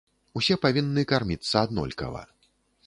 Усе павінны карміцца аднолькава.